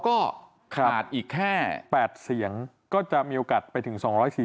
ก็ขาดอีกแค่๘เสียงก็จะมีโอกาสไปถึง๒๔๐